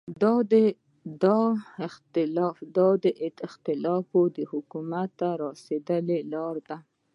دا اختلاف د حکومت ته رسېدو لاره ده.